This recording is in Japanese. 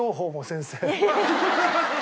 先生！